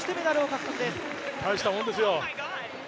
大したもんですよ。